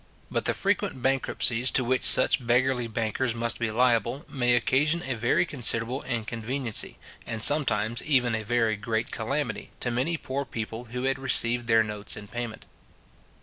But the frequent bankruptcies to which such beggarly bankers must be liable, may occasion a very considerable inconveniency, and sometimes even a very great calamity, to many poor people who had received their notes in payment.